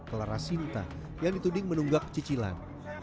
kelarasinta yang dituding menunggak cicilan